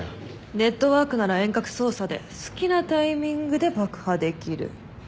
ネットワークなら遠隔操作で好きなタイミングで爆破できる。